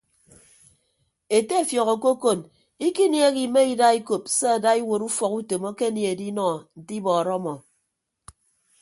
Ete efiọk okokon ikiniehe ime ida ikop se ada iwuot ufọk utom akenie edinọ nte ibọọrọ ọmọ.